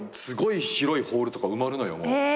すごい広いホールとか埋まるのよ。